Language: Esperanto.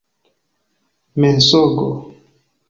mensogo